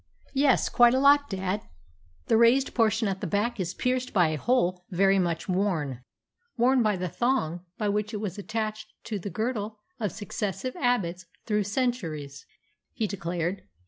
"Yes, quite a lot, dad. The raised portion at the back is pierced by a hole very much worn." "Worn by the thong by which it was attached to the girdle of successive abbots through centuries," he declared.